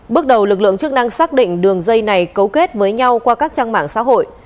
bước đầu lực lượng chức năng xác định đường dây này cấu kết với nhau qua các trang mạng xã hội